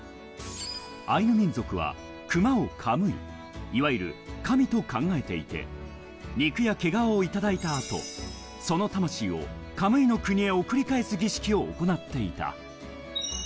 アイヌ民族は熊をカムイ、いわゆる神と考えていて、肉や毛皮をいただいた後、その魂をカムイの国へ送り返す儀式を行っていた。